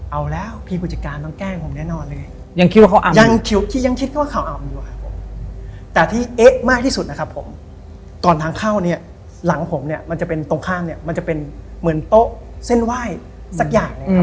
เอาแล้วพี่ผู้จัดการต้องแกล้งผมแน่นอนเลย